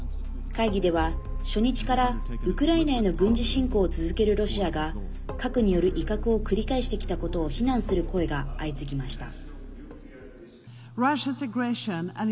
会議では、初日からウクライナへの軍事侵攻を続けるロシアが核による威嚇を繰り返してきたことを非難する声が相次ぎました。